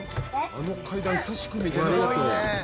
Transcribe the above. あの階段久しく見てないな。